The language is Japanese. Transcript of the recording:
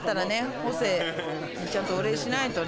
ホセにちゃんとお礼しないとね。